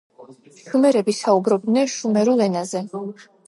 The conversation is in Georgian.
შუმერები საუბრობდნენ შუმერულ ენაზე.